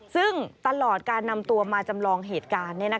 ซึ่งตลอดการนำตัวมาจำลองเหตุการณ์